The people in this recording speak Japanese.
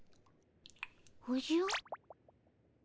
おじゃっ。